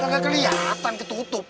kagak kelihatan ketutup